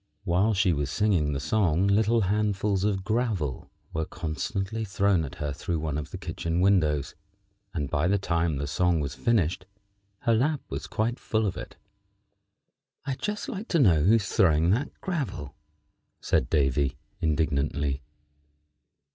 While she was singing the song little handfuls of gravel were constantly thrown at her through one of the kitchen windows, and by the time the song was finished her lap was quite full of it. "I'd just like to know who is throwing that gravel," said Davy, indignantly.